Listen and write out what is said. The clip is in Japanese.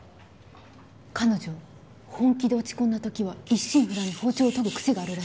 彼女本気で落ち込んだ時は一心不乱に包丁を研ぐ癖があるらしいんです。